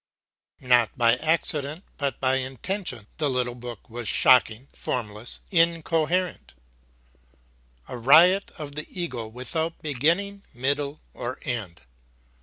Not by accident, but by intention, the little book was shocking, formless, incoherent a riot of the ego without beginning, middle, or end.